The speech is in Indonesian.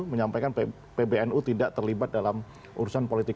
menyampaikan pbnu tidak terlibat dalam urusan politik